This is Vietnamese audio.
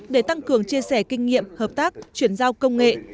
để tăng cường chia sẻ kinh nghiệm hợp tác chuyển giao công nghệ